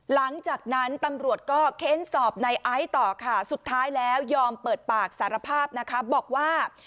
หลังจากนั้นตำรวจก็เค้นสอบในไอซ์ต่อค่ะสุดท้ายแล้วยอมเปิดปากสารภาพนะคะบอกว่า